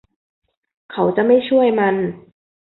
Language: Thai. เขาจะไม่ช่วยมัน